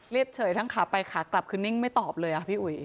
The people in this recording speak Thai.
เฉยทั้งขาไปขากลับคือนิ่งไม่ตอบเลยอะพี่อุ๋ย